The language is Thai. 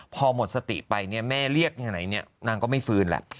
พอหมดสติไปเนี่ยแม่เรียกแค่ไหนเนี่ยนางก็ไม่ฟื้นแหละ